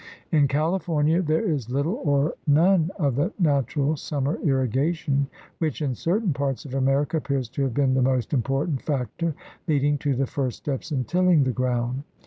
In Cali fornia there is little or none of the natural summer irrigation which, in certain parts of America, appears to have been the most important factor leading to the first steps in tilling the ground.